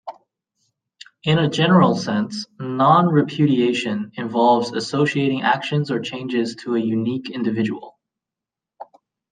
In a general sense "non-repudiation" involves associating actions or changes to a unique individual.